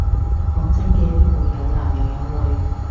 講真嘅，呢度有男又有女